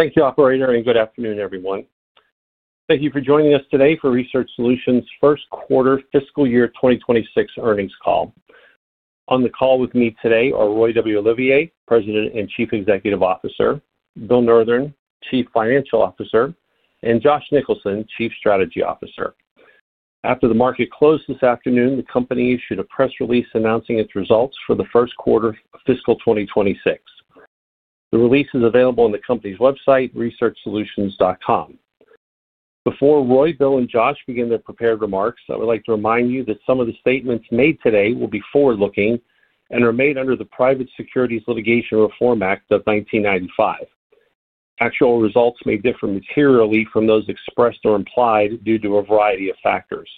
Thank you, Operator, and good afternoon, everyone. Thank you for joining us today for Research Solutions' first quarter fiscal year 2026 earnings call. On the call with me today are Roy W. Olivier, President and Chief Executive Officer; Bill Nurthen, Chief Financial Officer; and Josh Nicholson, Chief Strategy Officer. After the market closed this afternoon, the company issued a press release announcing its results for the first quarter of fiscal 2026. The release is available on the company's website, researchsolutions.com. Before Roy, Bill, and Josh begin their prepared remarks, I would like to remind you that some of the statements made today will be forward-looking and are made under the Private Securities Litigation Reform Act of 1995. Actual results may differ materially from those expressed or implied due to a variety of factors.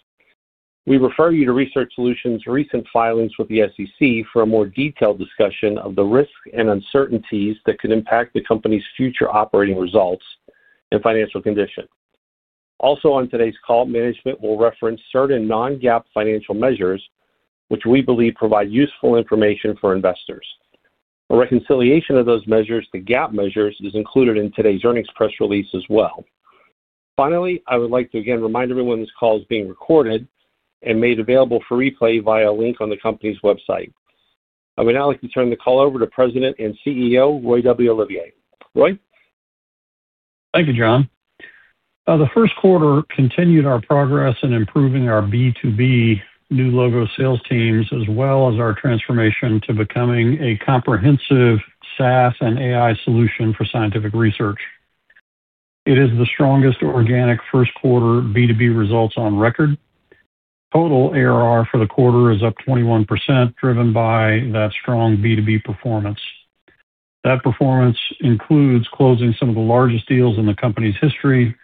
We refer you to Research Solutions' recent filings with the SEC for a more detailed discussion of the risks and uncertainties that could impact the company's future operating results and financial condition. Also, on today's call, management will reference certain non-GAAP financial measures, which we believe provide useful information for investors. A reconciliation of those measures to GAAP measures is included in today's earnings press release as well. Finally, I would like to again remind everyone this call is being recorded and made available for replay via a link on the company's website. I would now like to turn the call over to President and CEO Roy W. Olivier. Roy? Thank you, John. The first quarter continued our progress in improving our B2B new logo sales teams as well as our transformation to becoming a comprehensive SaaS and AI solution for scientific research. It is the strongest organic first quarter B2B results on record. Total ARR for the quarter is up 21%, driven by that strong B2B performance. That performance includes closing some of the largest deals in the company's history,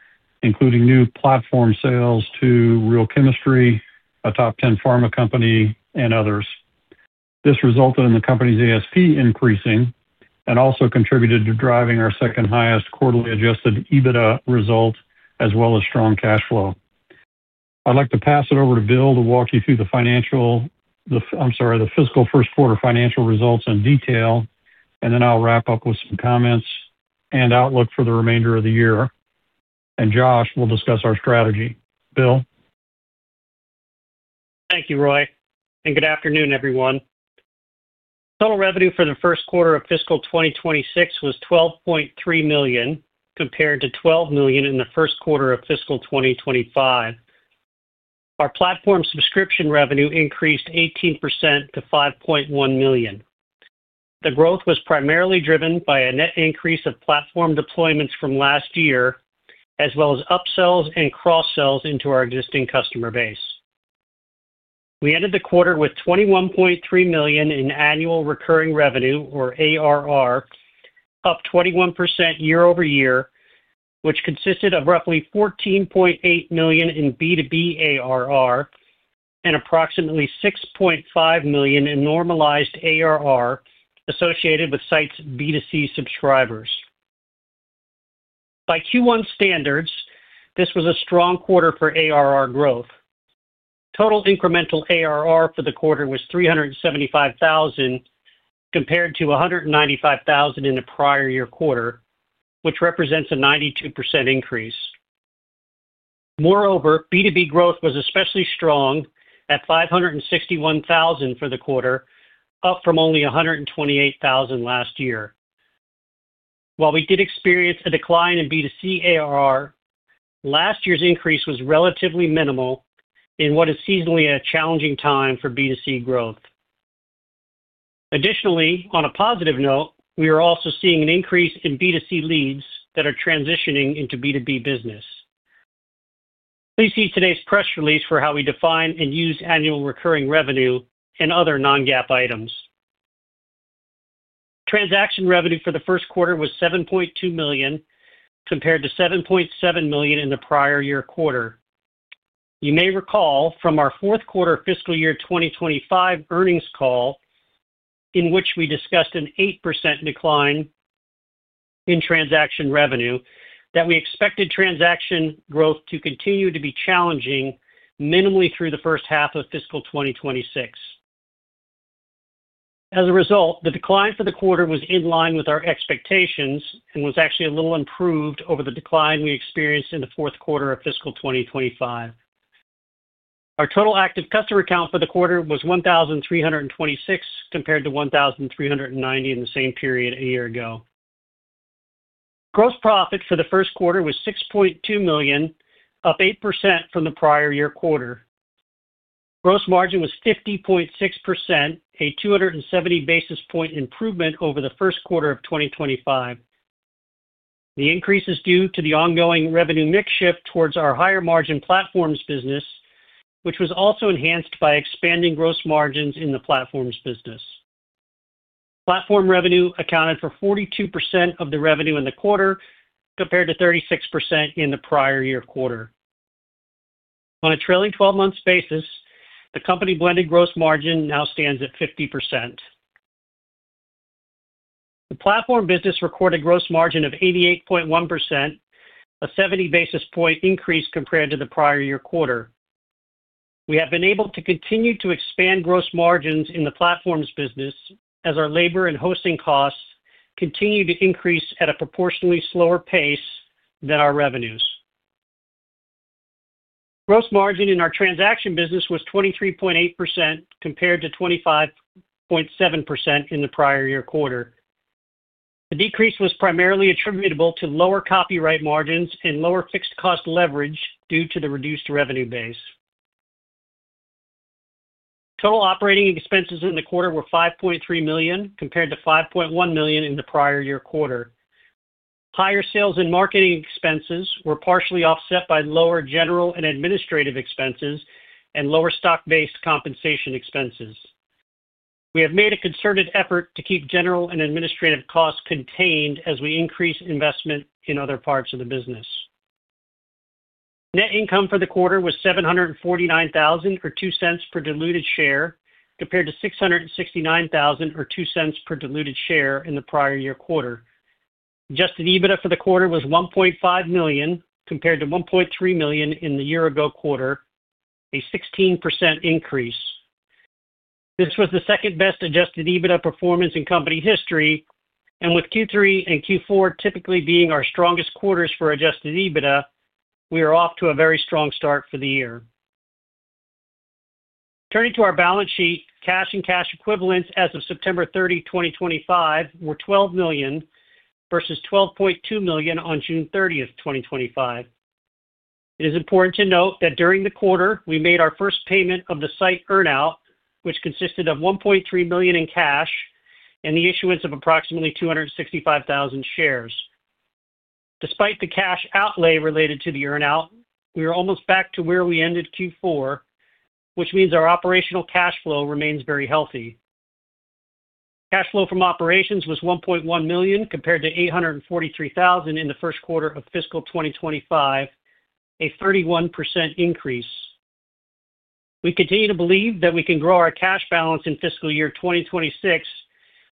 including new platform sales to Real Chemistry, a top 10 pharma company, and others. This resulted in the company's ASP increasing and also contributed to driving our second highest quarterly adjusted EBITDA result, as well as strong cash flow. I'd like to pass it over to Bill to walk you through the financial—I'm sorry, the fiscal first quarter financial results in detail, and then I'll wrap up with some comments and outlook for the remainder of the year. Josh will discuss our strategy. Bill? Thank you, Roy. Good afternoon, everyone. Total revenue for the first quarter of fiscal 2026 was $12.3 million, compared to $12 million in the first quarter of fiscal 2025. Our platform subscription revenue increased 18% to $5.1 million. The growth was primarily driven by a net increase of platform deployments from last year, as well as upsells and cross-sells into our existing customer base. We ended the quarter with $21.3 million in annual recurring revenue, or ARR, up 21% year-over-year, which consisted of roughly $14.8 million in B2B ARR and approximately $6.5 million in normalized ARR associated with Scite's B2C subscribers. By Q1 standards, this was a strong quarter for ARR growth. Total incremental ARR for the quarter was $375,000, compared to $195,000 in the prior year quarter, which represents a 92% increase. Moreover, B2B growth was especially strong at $561,000 for the quarter, up from only $128,000 last year. While we did experience a decline in B2C ARR, last year's increase was relatively minimal in what is seasonally a challenging time for B2C growth. Additionally, on a positive note, we are also seeing an increase in B2C leads that are transitioning into B2B business. Please see today's press release for how we define and use annual recurring revenue and other non-GAAP items. Transaction revenue for the first quarter was $7.2 million, compared to $7.7 million in the prior year quarter. You may recall from our fourth quarter fiscal year 2025 earnings call, in which we discussed an 8% decline in transaction revenue, that we expected transaction growth to continue to be challenging minimally through the first half of fiscal 2026. As a result, the decline for the quarter was in line with our expectations and was actually a little improved over the decline we experienced in the fourth quarter of fiscal 2025. Our total active customer count for the quarter was 1,326, compared to 1,390 in the same period a year ago. Gross profit for the first quarter was $6.2 million, up 8% from the prior year quarter. Gross margin was 50.6%, a 270 basis point improvement over the first quarter of 2025. The increase is due to the ongoing revenue mix shift towards our higher margin platforms business, which was also enhanced by expanding gross margins in the platforms business. Platform revenue accounted for 42% of the revenue in the quarter, compared to 36% in the prior year quarter. On a trailing 12-month basis, the company blended gross margin now stands at 50%. The platform business recorded gross margin of 88.1%, a 70 basis point increase compared to the prior year quarter. We have been able to continue to expand gross margins in the platform business as our labor and hosting costs continue to increase at a proportionally slower pace than our revenues. Gross margin in our transaction business was 23.8%, compared to 25.7% in the prior year quarter. The decrease was primarily attributable to lower copyright margins and lower fixed cost leverage due to the reduced revenue base. Total operating expenses in the quarter were $5.3 million, compared to $5.1 million in the prior year quarter. Higher sales and marketing expenses were partially offset by lower general and administrative expenses and lower stock-based compensation expenses. We have made a concerted effort to keep general and administrative costs contained as we increase investment in other parts of the business. Net income for the quarter was $749,002 per diluted share, compared to $669,002 per diluted share in the prior year quarter. Adjusted EBITDA for the quarter was $1.5 million, compared to $1.3 million in the year-ago quarter, a 16% increase. This was the second best adjusted EBITDA performance in company history, and with Q3 and Q4 typically being our strongest quarters for adjusted EBITDA, we are off to a very strong start for the year. Turning to our balance sheet, cash and cash equivalents as of September 30, 2025, were $12 million versus $12.2 million on June 30th, 2025. It is important to note that during the quarter, we made our first payment of the Scite earnout, which consisted of $1.3 million in cash and the issuance of approximately 265,000 shares. Despite the cash outlay related to the earnout, we are almost back to where we ended Q4, which means our operational cash flow remains very healthy. Cash flow from operations was $1.1 million compared to $843,000 in the first quarter of fiscal 2025, a 31% increase. We continue to believe that we can grow our cash balance in fiscal year 2026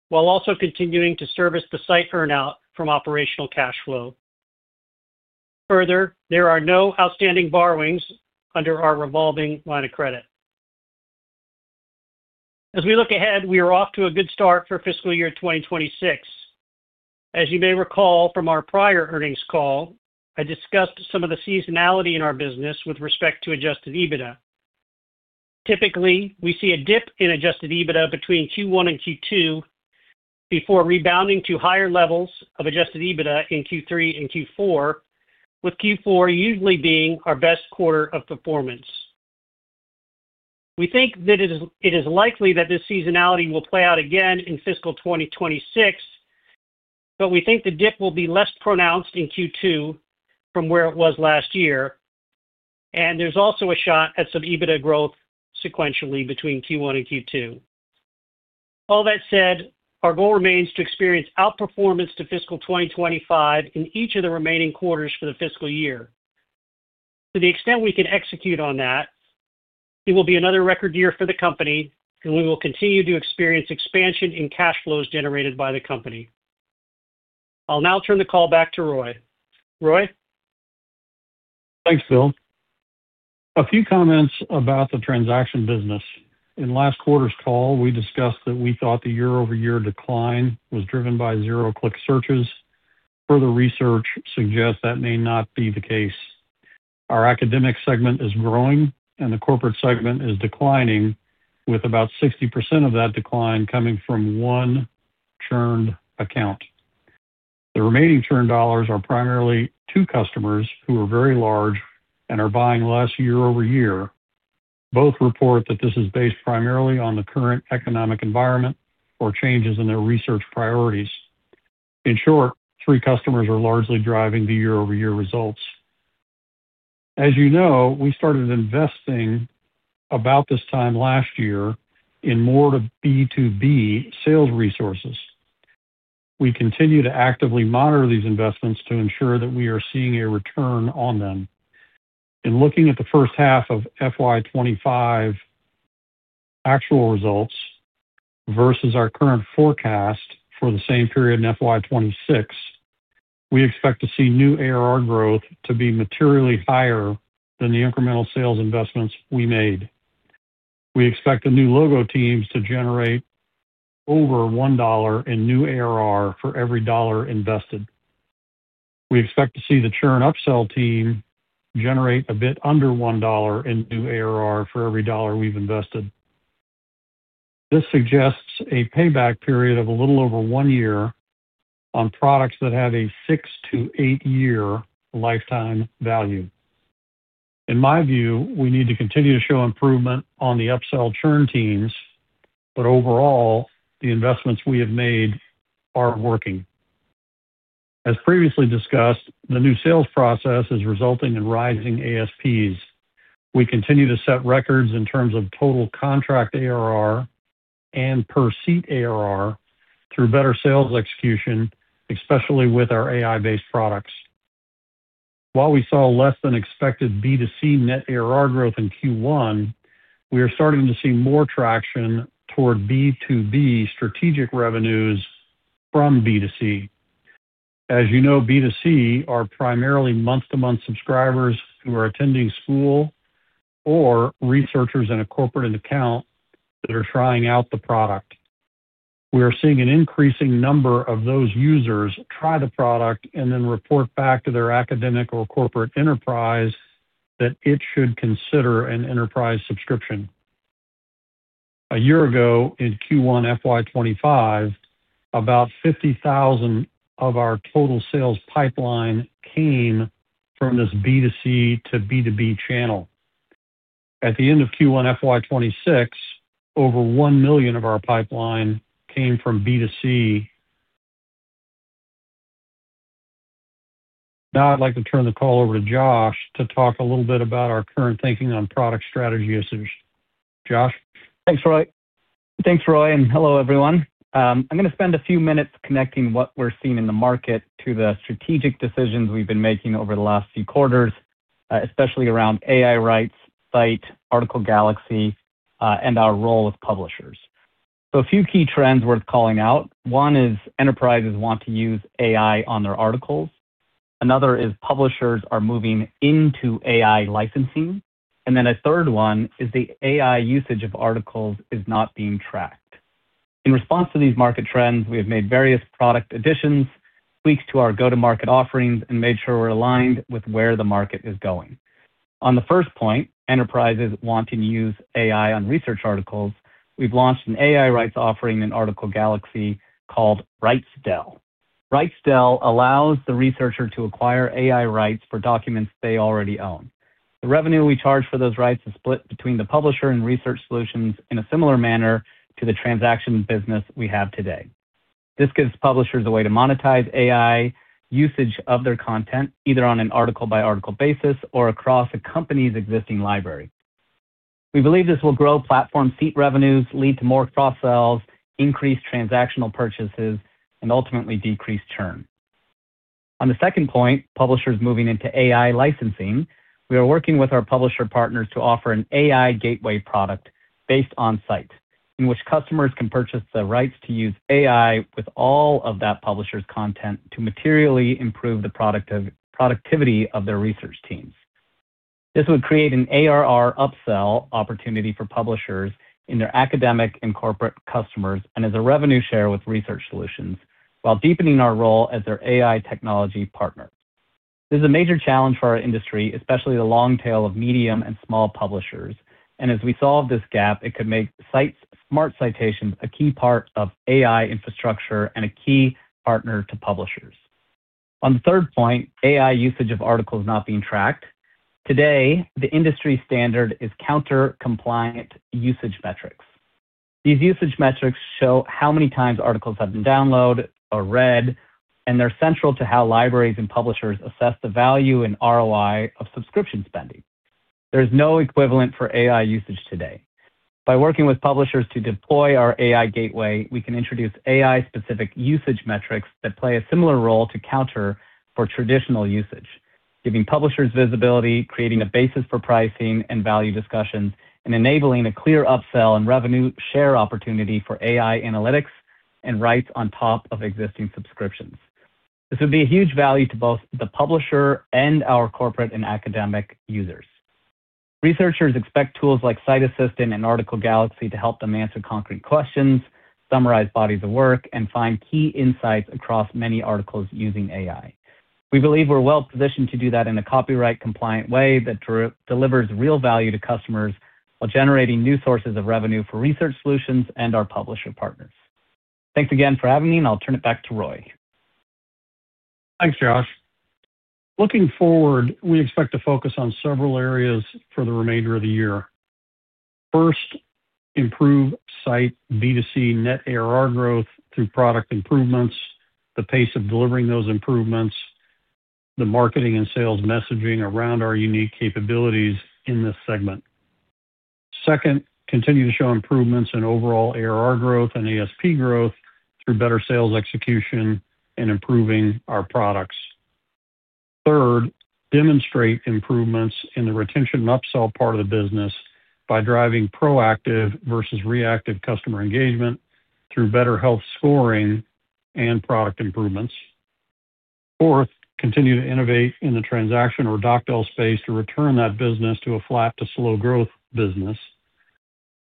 while also continuing to service the Scite earnout from operational cash flow. Further, there are no outstanding borrowings under our revolving line of credit. As we look ahead, we are off to a good start for fiscal year 2026. As you may recall from our prior earnings call, I discussed some of the seasonality in our business with respect to adjusted EBITDA. Typically, we see a dip in adjusted EBITDA between Q1 and Q2 before rebounding to higher levels of adjusted EBITDA in Q3 and Q4, with Q4 usually being our best quarter of performance. We think that it is likely that this seasonality will play out again in fiscal 2026, but we think the dip will be less pronounced in Q2 from where it was last year, and there's also a shot at some EBITDA growth sequentially between Q1 and Q2. All that said, our goal remains to experience outperformance to fiscal 2025 in each of the remaining quarters for the fiscal year. To the extent we can execute on that, it will be another record year for the company, and we will continue to experience expansion in cash flows generated by the company. I'll now turn the call back to Roy. Roy? Thanks, Bill. A few comments about the transaction business. In last quarter's call, we discussed that we thought the year-over-year decline was driven by zero-click searches. Further research suggests that may not be the case. Our academic segment is growing, and the corporate segment is declining, with about 60% of that decline coming from one churned account. The remaining churned dollars are primarily two customers who are very large and are buying less year-over-year. Both report that this is based primarily on the current economic environment or changes in their research priorities. In short, three customers are largely driving the year-over-year results. As you know, we started investing about this time last year in more B2B sales resources. We continue to actively monitor these investments to ensure that we are seeing a return on them. In looking at the first half of FY 2025 actual results versus our current forecast for the same period in FY 2026, we expect to see new ARR growth to be materially higher than the incremental sales investments we made. We expect the new logo teams to generate over $1 in new ARR for every dollar invested. We expect to see the churn upsell team generate a bit under $1 in new ARR for every dollar we've invested. This suggests a payback period of a little over one year on products that have a six- to eight-year lifetime value. In my view, we need to continue to show improvement on the upsell churn teams, but overall, the investments we have made are working. As previously discussed, the new sales process is resulting in rising ASPs. We continue to set records in terms of total contract ARR and per seat ARR through better sales execution, especially with our AI-based products. While we saw less than expected B2C net ARR growth in Q1, we are starting to see more traction toward B2B strategic revenues from B2C. As you know, B2C are primarily month-to-month subscribers who are attending school or researchers in a corporate account that are trying out the product. We are seeing an increasing number of those users try the product and then report back to their academic or corporate enterprise that it should consider an enterprise subscription. A year ago in Q1 2025, about $50,000 of our total sales pipeline came from this B2C to B2B channel. At the end of Q1 2026, over $1 million of our pipeline came from B2C. Now, I'd like to turn the call over to Josh to talk a little bit about our current thinking on product strategy usage. Josh? Thanks, Roy. Thanks, Roy, and hello, everyone. I'm going to spend a few minutes connecting what we're seeing in the market to the strategic decisions we've been making over the last few quarters, especially around AI rights, Scite, Article Galaxy, and our role with publishers. A few key trends worth calling out. One is enterprises want to use AI on their articles. Another is publishers are moving into AI licensing. A third one is the AI usage of articles is not being tracked. In response to these market trends, we have made various product additions, tweaks to our go-to-market offerings, and made sure we're aligned with where the market is going. On the first point, enterprises want to use AI on research articles. We've launched an AI rights offering in Article Galaxy called RightsDel. RightsDel allows the researcher to acquire AI rights for documents they already own. The revenue we charge for those rights is split between the publisher and Research Solutions in a similar manner to the transaction business we have today. This gives publishers a way to monetize AI usage of their content, either on an article-by-article basis or across a company's existing library. We believe this will grow platform seat revenues, lead to more cross-sells, increase transactional purchases, and ultimately decrease churn. On the second point, publishers moving into AI licensing, we are working with our publisher partners to offer an AI gateway product based on Scite, in which customers can purchase the rights to use AI with all of that publisher's content to materially improve the productivity of their research teams. This would create an ARR upsell opportunity for publishers in their academic and corporate customers and as a revenue share with Research Solutions while deepening our role as their AI technology partner. This is a major challenge for our industry, especially the long tail of medium and small publishers. As we solve this gap, it could make smart citations a key part of AI infrastructure and a key partner to publishers. On the third point, AI usage of articles not being tracked. Today, the industry standard is counter-compliant usage metrics. These usage metrics show how many times articles have been downloaded or read, and they're central to how libraries and publishers assess the value and ROI of subscription spending. There is no equivalent for AI usage today. By working with publishers to deploy our AI gateway, we can introduce AI-specific usage metrics that play a similar role to COUNTER for traditional usage, giving publishers visibility, creating a basis for pricing and value discussions, and enabling a clear upsell and revenue share opportunity for AI analytics and rights on top of existing subscriptions. This would be a huge value to both the publisher and our corporate and academic users. Researchers expect tools like Scite Assistant and Article Galaxy to help them answer concrete questions, summarize bodies of work, and find key insights across many articles using AI. We believe we're well-positioned to do that in a copyright-compliant way that delivers real value to customers while generating new sources of revenue for Research Solutions and our publisher partners. Thanks again for having me, and I'll turn it back to Roy. Thanks, Josh. Looking forward, we expect to focus on several areas for the remainder of the year. First, improve Scite B2C net ARR growth through product improvements, the pace of delivering those improvements, the marketing and sales messaging around our unique capabilities in this segment. Second, continue to show improvements in overall ARR growth and ASP growth through better sales execution and improving our products. Third, demonstrate improvements in the retention and upsell part of the business by driving proactive versus reactive customer engagement through better health scoring and product improvements. Fourth, continue to innovate in the transaction or docdel space to return that business to a flat to slow growth business.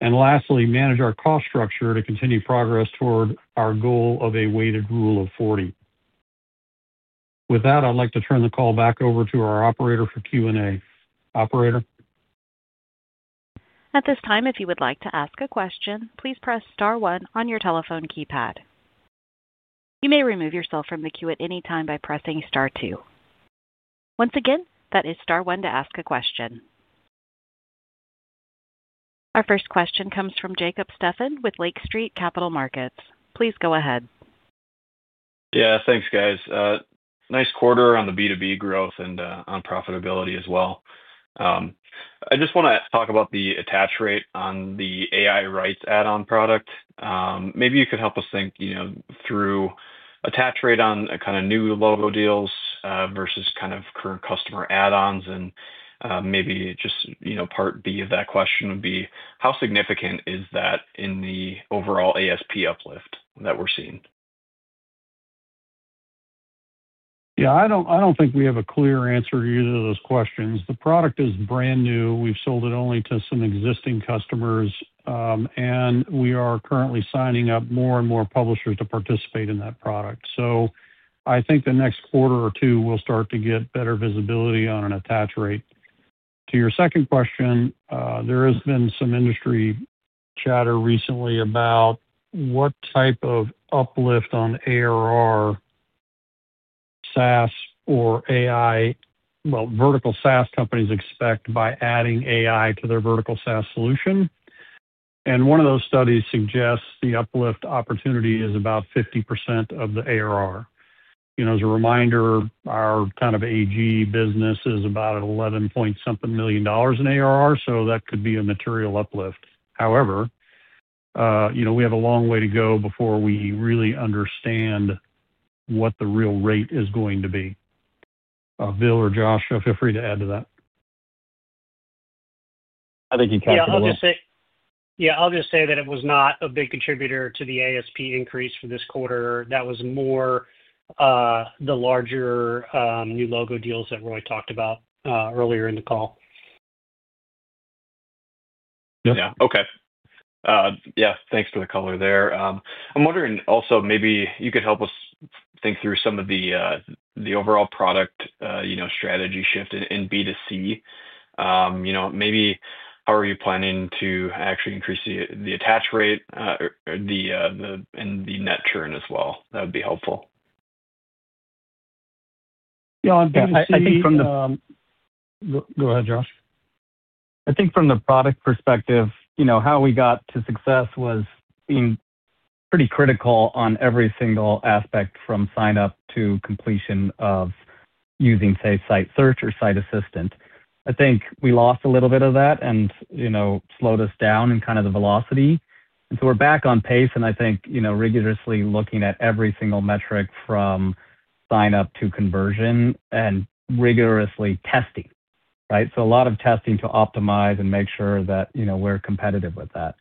Lastly, manage our cost structure to continue progress toward our goal of a weighted Rule of 40. With that, I'd like to turn the call back over to our operator for Q&A. Operator. At this time, if you would like to ask a question, please press star one on your telephone keypad. You may remove yourself from the queue at any time by pressing star two. Once again, that is star one to ask a question. Our first question comes from Jacob Stefan with Lake Street Capital Markets. Please go ahead. Yeah, thanks, guys. Nice quarter on the B2B growth and on profitability as well. I just want to talk about the attach rate on the AI rights add-on product. Maybe you could help us think through attach rate on kind of new logo deals versus kind of current customer add-ons. Maybe just part B of that question would be, how significant is that in the overall ASP uplift that we're seeing? Yeah, I don't think we have a clear answer to either of those questions. The product is brand new. We've sold it only to some existing customers, and we are currently signing up more and more publishers to participate in that product. I think the next quarter or two, we'll start to get better visibility on an attach rate. To your second question, there has been some industry chatter recently about what type of uplift on ARR SaaS or AI vertical SaaS companies expect by adding AI to their vertical SaaS solution. One of those studies suggests the uplift opportunity is about 50% of the ARR. As a reminder, our kind of AG business is about $11 point something million in ARR, so that could be a material uplift. However, we have a long way to go before we really understand what the real rate is going to be. Bill or Josh, feel free to add to that. I think you captured that well. Yeah, I'll just say that it was not a big contributor to the ASP increase for this quarter. That was more the larger new logo deals that Roy talked about earlier in the call. Yeah, okay. Yeah, thanks for the color there. I'm wondering also, maybe you could help us think through some of the overall product strategy shift in B2C. Maybe how are you planning to actually increase the attach rate and the net churn as well? That would be helpful. Yeah, I think from the. Go ahead, Josh. I think from the product perspective, how we got to success was pretty critical on every single aspect from sign-up to completion of using, say, Scite Search or Scite Assistant. I think we lost a little bit of that and slowed us down in kind of the velocity. We're back on pace, and I think rigorously looking at every single metric from sign-up to conversion and rigorously testing, right? A lot of testing to optimize and make sure that we're competitive with that.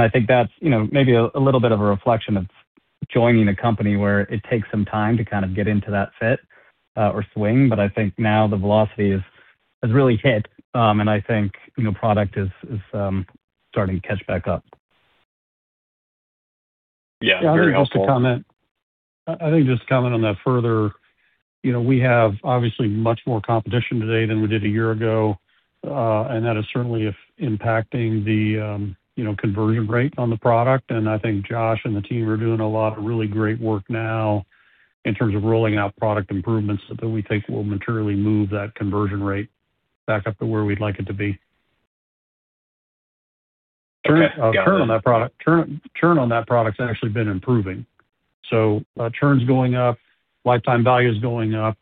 I think that's maybe a little bit of a reflection of joining a company where it takes some time to kind of get into that fit or swing. I think now the velocity has really hit, and I think product is starting to catch back up. Yeah, very helpful. Josh, just a comment. I think just a comment on that further. We have obviously much more competition today than we did a year ago, and that is certainly impacting the conversion rate on the product. I think Josh and the team are doing a lot of really great work now in terms of rolling out product improvements that we think will materially move that conversion rate back up to where we'd like it to be. Churn on that product has actually been improving. Churn's going up, lifetime value is going up.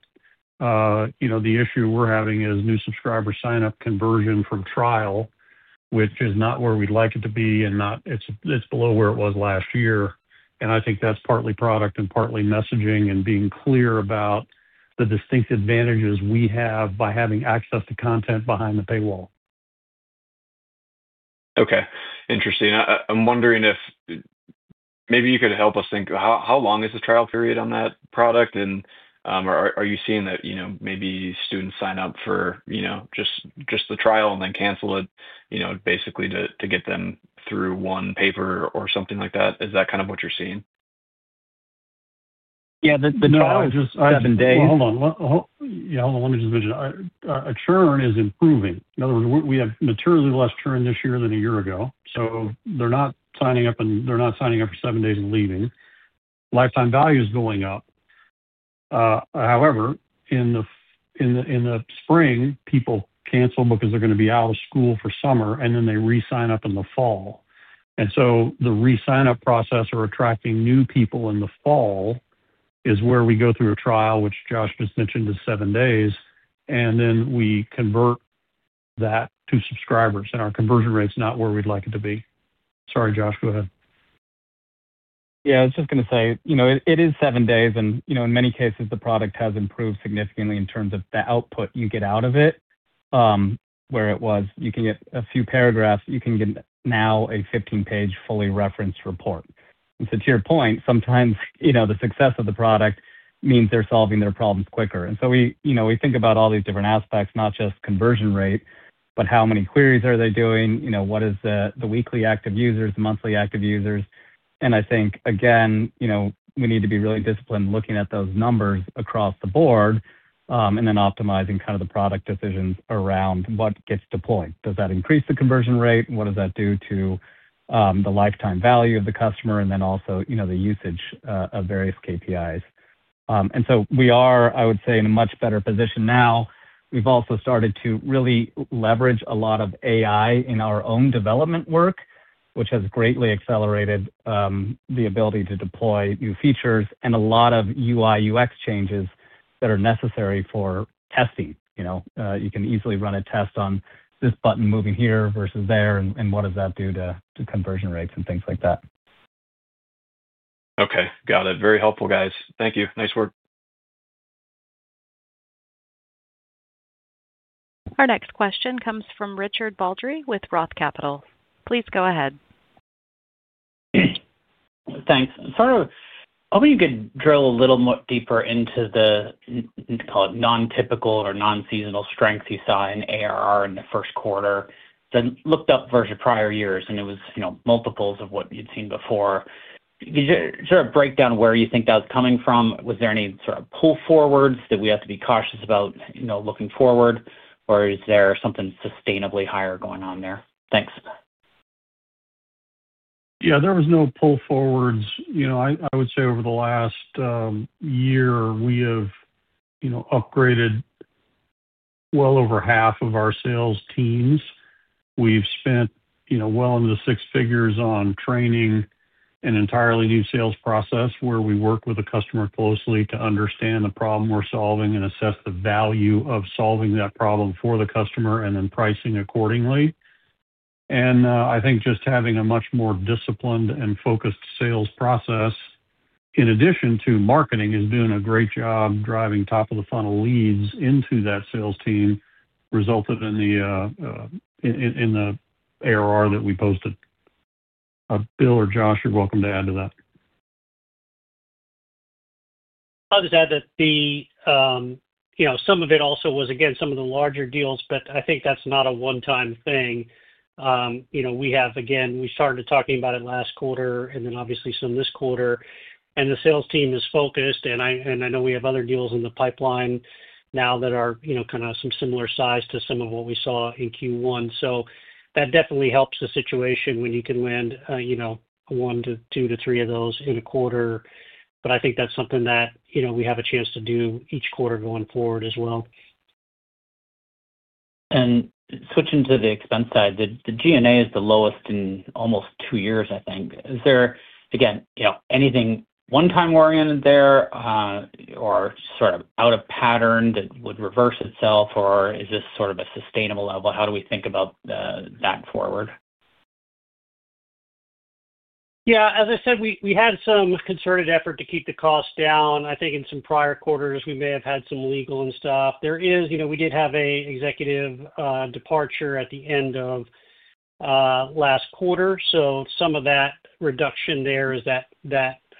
The issue we're having is new subscriber sign-up conversion from trial, which is not where we'd like it to be, and it's below where it was last year. I think that's partly product and partly messaging and being clear about the distinct advantages we have by having access to content behind the paywall. Okay. Interesting. I'm wondering if maybe you could help us think, how long is the trial period on that product? Are you seeing that maybe students sign up for just the trial and then cancel it basically to get them through one paper or something like that? Is that kind of what you're seeing? Yeah, the churn is just. Seven days. Hold on. Hold on. Let me just mention. Churn is improving. In other words, we have materially less churn this year than a year ago. They are not signing up, and they are not signing up for seven days and leaving. Lifetime value is going up. However, in the spring, people cancel because they are going to be out of school for summer, and then they re-sign up in the fall. The re-sign-up process or attracting new people in the fall is where we go through a trial, which Josh just mentioned is seven days, and then we convert that to subscribers. Our conversion rate is not where we would like it to be. Sorry, Josh, go ahead. Yeah, I was just going to say it is seven days, and in many cases, the product has improved significantly in terms of the output you get out of it. Where it was, you can get a few paragraphs. You can get now a 15-page fully referenced report. To your point, sometimes the success of the product means they're solving their problems quicker. We think about all these different aspects, not just conversion rate, but how many queries are they doing? What is the weekly active users, the monthly active users? I think, again, we need to be really disciplined looking at those numbers across the board and then optimizing kind of the product decisions around what gets deployed. Does that increase the conversion rate? What does that do to the lifetime value of the customer? Also the usage of various KPIs. We are, I would say, in a much better position now. We've also started to really leverage a lot of AI in our own development work, which has greatly accelerated the ability to deploy new features and a lot of UI/UX changes that are necessary for testing. You can easily run a test on this button moving here versus there, and what does that do to conversion rates and things like that. Okay. Got it. Very helpful, guys. Thank you. Nice work. Our next question comes from Richard Baldry with Roth Capital. Please go ahead. Thanks. I wonder if you could drill a little more deeper into the, call it, non-typical or non-seasonal strengths you saw in ARR in the first quarter. Then looked up versus prior years, and it was multiples of what you'd seen before. Could you sort of break down where you think that was coming from? Was there any sort of pull forwards that we have to be cautious about looking forward, or is there something sustainably higher going on there? Thanks. Yeah, there was no pull forwards. I would say over the last year, we have upgraded well over half of our sales teams. We've spent well into the six figures on training an entirely new sales process where we work with a customer closely to understand the problem we're solving and assess the value of solving that problem for the customer and then pricing accordingly. I think just having a much more disciplined and focused sales process, in addition to marketing, is doing a great job driving top-of-the-funnel leads into that sales team, resulted in the ARR that we posted. Bill or Josh, you're welcome to add to that. I'll just add that some of it also was, again, some of the larger deals, but I think that's not a one-time thing. We have, again, we started talking about it last quarter and then obviously some this quarter. The sales team is focused, and I know we have other deals in the pipeline now that are kind of some similar size to some of what we saw in Q1. That definitely helps the situation when you can land one to two to three of those in a quarter. I think that's something that we have a chance to do each quarter going forward as well. Switching to the expense side, the G&A is the lowest in almost two years, I think. Is there, again, anything one-time oriented there or sort of out of pattern that would reverse itself, or is this sort of a sustainable level? How do we think about that forward? Yeah, as I said, we had some concerted effort to keep the cost down. I think in some prior quarters, we may have had some legal and stuff. There is, we did have an executive departure at the end of last quarter. So some of that reduction there is that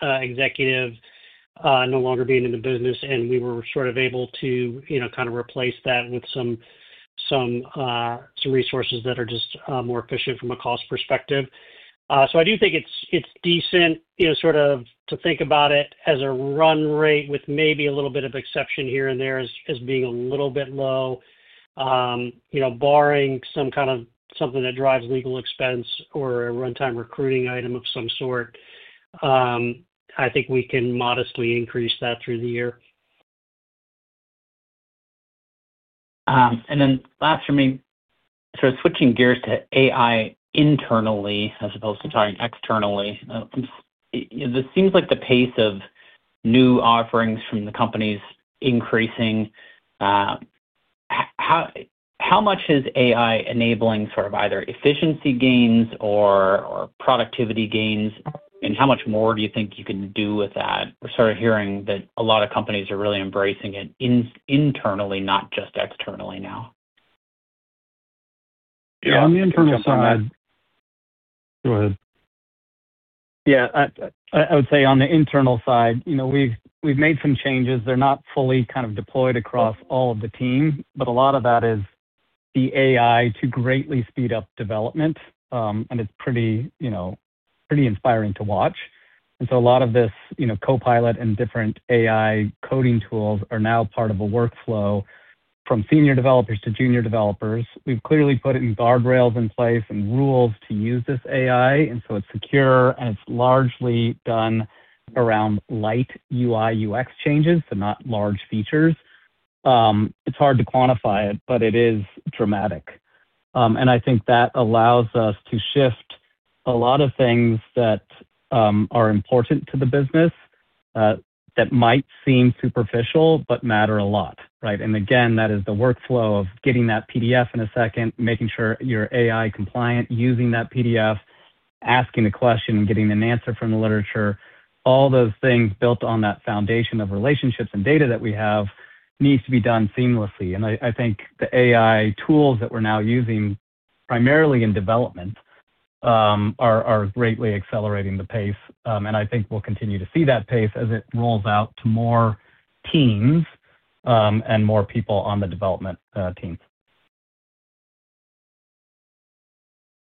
executive no longer being in the business, and we were sort of able to kind of replace that with some resources that are just more efficient from a cost perspective. I do think it's decent sort of to think about it as a run rate with maybe a little bit of exception here and there as being a little bit low, barring some kind of something that drives legal expense or a runtime recruiting item of some sort. I think we can modestly increase that through the year. Last for me, sort of switching gears to AI internally as opposed to talking externally. It seems like the pace of new offerings from the company is increasing. How much is AI enabling sort of either efficiency gains or productivity gains, and how much more do you think you can do with that? We are sort of hearing that a lot of companies are really embracing it internally, not just externally now. Yeah, on the internal side. Go ahead. Yeah, I would say on the internal side, we've made some changes. They're not fully kind of deployed across all of the team, but a lot of that is the AI to greatly speed up development, and it's pretty inspiring to watch. A lot of this Copilot and different AI coding tools are now part of a workflow from senior developers to junior developers. We've clearly put guardrails in place and rules to use this AI, and it's secure, and it's largely done around light UI/UX changes, so not large features. It's hard to quantify it, but it is dramatic. I think that allows us to shift a lot of things that are important to the business that might seem superficial but matter a lot, right? That is the workflow of getting that PDF in a second, making sure you're AI compliant, using that PDF, asking a question, getting an answer from the literature. All those things built on that foundation of relationships and data that we have need to be done seamlessly. I think the AI tools that we're now using, primarily in development, are greatly accelerating the pace. I think we'll continue to see that pace as it rolls out to more teams and more people on the development team.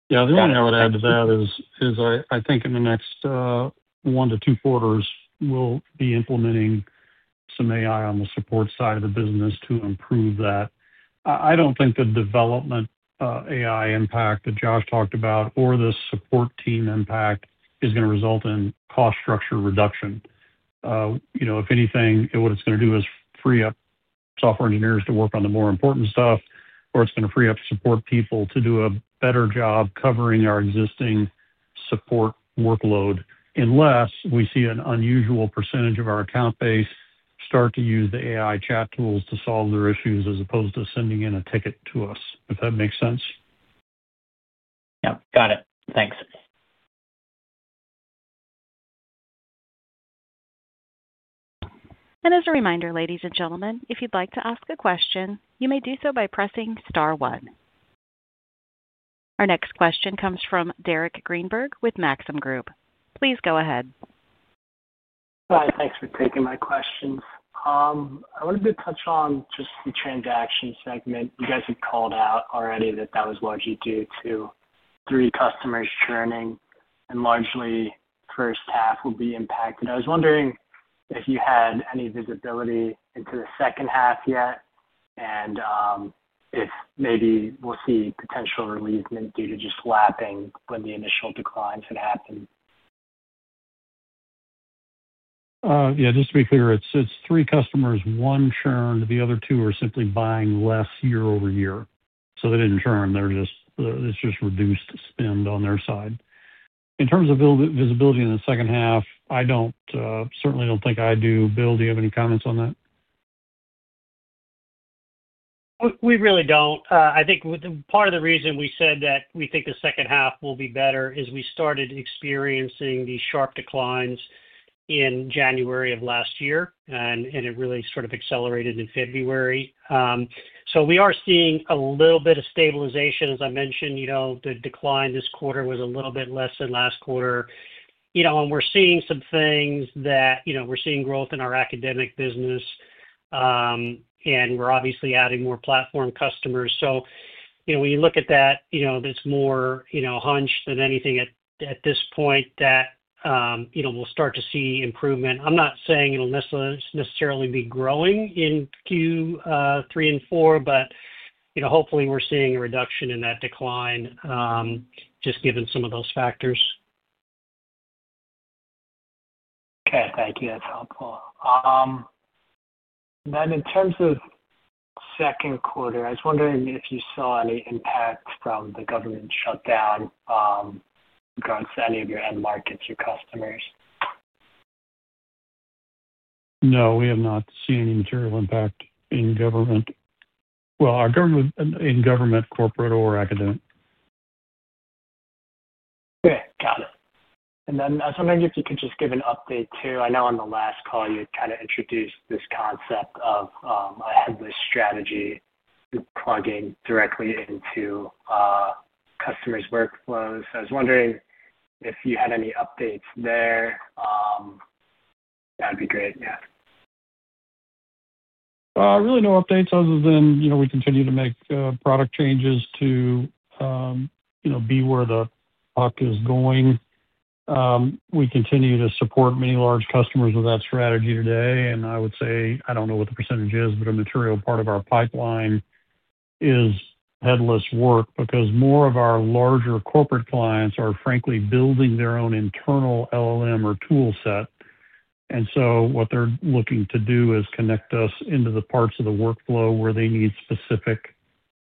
Yeah, the only thing I would add to that is I think in the next one to two quarters, we'll be implementing some AI on the support side of the business to improve that. I don't think the development AI impact that Josh talked about or the support team impact is going to result in cost structure reduction. If anything, what it's going to do is free up software engineers to work on the more important stuff, or it's going to free up support people to do a better job covering our existing support workload unless we see an unusual % of our account base start to use the AI chat tools to solve their issues as opposed to sending in a ticket to us, if that makes sense. Yep. Got it. Thanks. As a reminder, ladies and gentlemen, if you'd like to ask a question, you may do so by pressing star one. Our next question comes from Derek Greenberg with Maxim Group. Please go ahead. Hi, thanks for taking my questions. I wanted to touch on just the transaction segment. You guys had called out already that that was largely due to three customers churning, and largely the first half will be impacted. I was wondering if you had any visibility into the second half yet and if maybe we'll see potential relief due to just lapping when the initial declines had happened. Yeah, just to be clear, it's three customers, one churn. The other two are simply buying less year-over-year. So they didn't churn. It's just reduced spend on their side. In terms of visibility in the second half, I certainly don't think I do. Bill, do you have any comments on that? We really do not. I think part of the reason we said that we think the second half will be better is we started experiencing these sharp declines in January of last year, and it really sort of accelerated in February. We are seeing a little bit of stabilization. As I mentioned, the decline this quarter was a little bit less than last quarter. We are seeing some things that we are seeing growth in our academic business, and we are obviously adding more platform customers. When you look at that, there is more hunch than anything at this point that we will start to see improvement. I am not saying it will necessarily be growing in Q3 and Q4, but hopefully, we are seeing a reduction in that decline just given some of those factors. Okay. Thank you. That's helpful. In terms of second quarter, I was wondering if you saw any impact from the government shutdown regards to any of your end markets, your customers. No, we have not seen any material impact in government. In government, corporate, or academic. Okay. Got it. I was wondering if you could just give an update too. I know on the last call, you had kind of introduced this concept of a headless strategy plugging directly into customers' workflows. I was wondering if you had any updates there. That would be great. Yeah. Really no updates other than we continue to make product changes to be where the puck is going. We continue to support many large customers with that strategy today. I would say, I do not know what the percentage is, but a material part of our pipeline is headless work because more of our larger corporate clients are, frankly, building their own internal LLM or tool set. What they are looking to do is connect us into the parts of the workflow where they need specific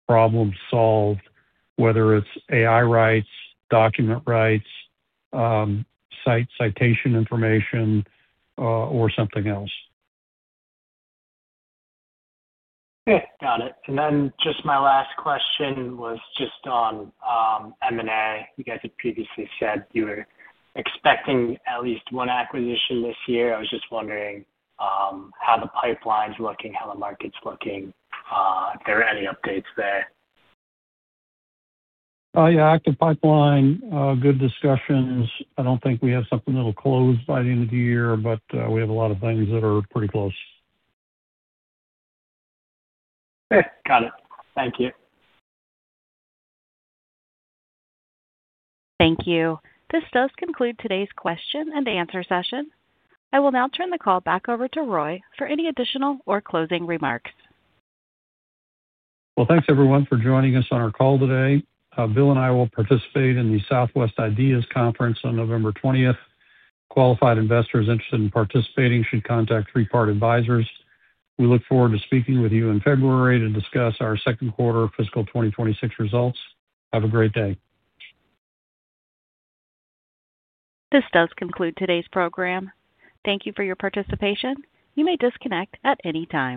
problems solved, whether it is AI rights, document rights, site citation information, or something else. Okay. Got it. My last question was just on M&A. You guys had previously said you were expecting at least one acquisition this year. I was just wondering how the pipeline's looking, how the market's looking, if there are any updates there. Yeah, active pipeline, good discussions. I don't think we have something that'll close by the end of the year, but we have a lot of things that are pretty close. Okay. Got it. Thank you. Thank you. This does conclude today's question and answer session. I will now turn the call back over to Roy for any additional or closing remarks. Thanks everyone for joining us on our call today. Bill and I will participate in the Southwest Ideas Conference on November 20th. Qualified investors interested in participating should contact Three Part Advisors. We look forward to speaking with you in February to discuss our second quarter fiscal 2026 results. Have a great day. This does conclude today's program. Thank you for your participation. You may disconnect at any time.